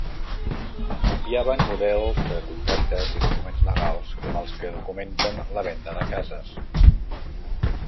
Copiaven models de contractes i documents legals com els que documenten la venda de cases.